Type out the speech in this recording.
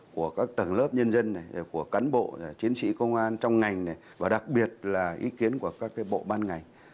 của các tầng lớp nhân dân của cán bộ chiến sĩ công an trong ngành và đặc biệt là ý kiến của các bộ ban ngành